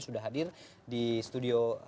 sudah hadir di studio